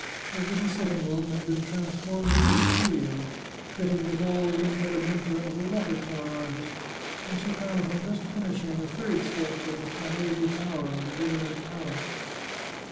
His little sitting room had been transformed into a studio, fitted with all the impedimenta of a water colour artist, and she found him just finishing a third sketch of the Farnese Tower and the governor's palace.